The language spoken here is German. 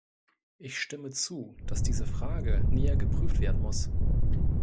Ich stimme zu, dass diese Frage näher geprüft werden muss.